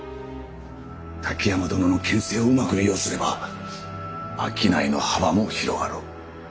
滝山殿の権勢をうまく利用すれば商いの幅も広がろう。